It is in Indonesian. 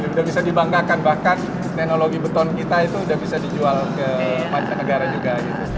sudah bisa dibanggakan bahkan teknologi beton kita itu udah bisa dijual ke mancanegara juga